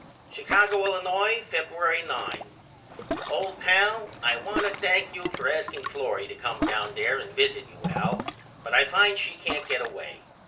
Chicago, Illinois, Febuery 9. OLD PAL: I want to thank you for asking Florrie to come down there and visit you Al but I find she can't get away.